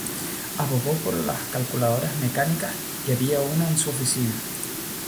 Abogó por las calculadoras mecánicas y había una en su oficina.